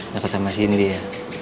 dapet sama si ini ya